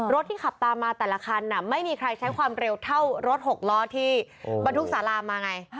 ที่ขับตามมาแต่ละคันไม่มีใครใช้ความเร็วเท่ารถ๖ล้อที่บรรทุกสารามาไง